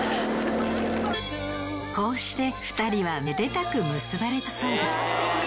こうして２人はめでたく結ばれたそうです。